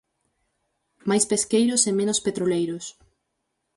"Máis pesqueiros e menos petroleiros".